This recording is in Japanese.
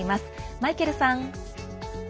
マイケルさん！